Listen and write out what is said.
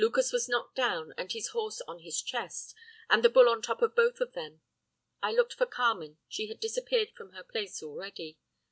Lucas was knocked down, with his horse on his chest, and the bull on top of both of them. I looked for Carmen, she had disappeared from her place already.